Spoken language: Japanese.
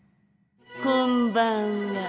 こんばんは。